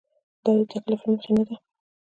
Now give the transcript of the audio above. دا د تکلف له مخې نه ده.